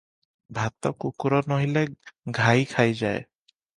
ଭାତ କୁକୁର ନୋହିଲେ ଘାଈ ଖାଇଯାଏ ।